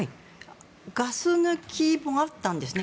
ガス抜きもあったんですね。